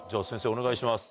お願いします。